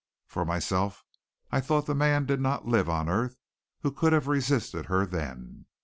For myself, I thought the man did not live on earth who could have resisted her then.